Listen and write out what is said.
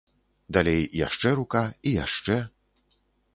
Далей яшчэ рука і яшчэ.